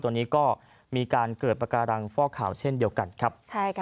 ตอนนี้ก็มีการเกิดปากการังฟอกข่าวเช่นเดียวกันครับ